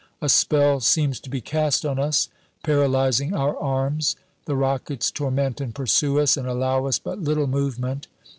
A spell seems to be cast on us, paralyzing our arms. The rockets torment and pursue us, and allow us but little movement.